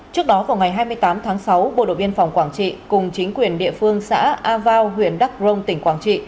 trước đó vào ngày hai mươi tám tháng sáu bộ đội biên phòng quảng trị cùng chính quyền địa phương xã a vao huyện đắc rông tỉnh quảng trị